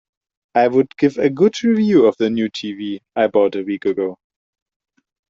I would give a good review of the new TV I bought a week ago.